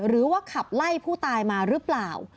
หรือว่าขับไล่ผู้ตายมาหรือเปล่า